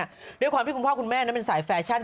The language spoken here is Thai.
ด้วยความที่คุณพ่อคุณแม่นั้นเป็นสายแฟชั่น